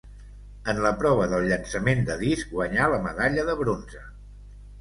En la prova del llançament de disc guanyà la medalla de bronze.